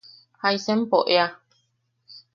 ¿Jaisa empo ea?